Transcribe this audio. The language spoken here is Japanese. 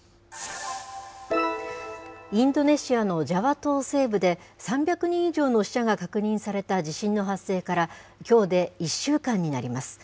インドネシアのジャワ島西部で、３００人以上の死者が確認された地震の発生からきょうで１週間になります。